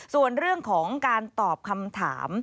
ส่วนเรื่องของการตอบคำถาม